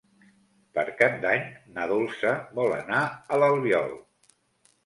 Per Cap d'Any na Dolça vol anar a l'Albiol.